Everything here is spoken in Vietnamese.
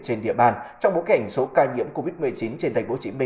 trên địa bàn trong bối cảnh số ca nhiễm covid một mươi chín trên tp hcm